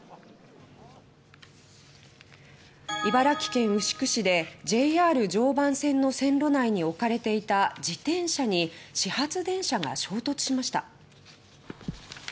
茨城県牛久市でＪＲ常磐線の線路内に置かれていた自転車に始発電車が衝突しました。